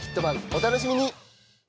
お楽しみに！